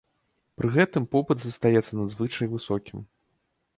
Пры гэтым попыт застаецца надзвычай высокім.